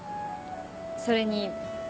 それに。